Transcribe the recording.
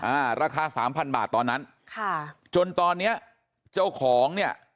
อ่าราคาสามพันบาทตอนนั้นค่ะจนตอนเนี้ยเจ้าของเนี้ย